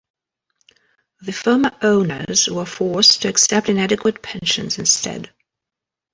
The former owners were forced to accept inadequate pensions instead.